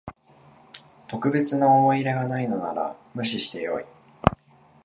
特別な思い入れがないのなら無視してよい